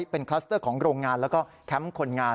เป็นคลัสเตอร์ของโรงงานแล้วก็แคมป์คนงาน